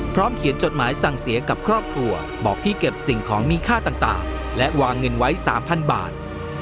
เขียนจดหมายสั่งเสียกับครอบครัวบอกที่เก็บสิ่งของมีค่าต่างและวางเงินไว้๓๐๐บาท